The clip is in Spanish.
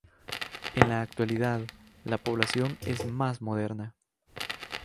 En la actualidad la población es más moderna.